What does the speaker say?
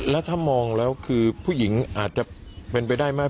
แล้วถ้ามองแล้วคือผู้หญิงอาจจะเป็นไปได้มาก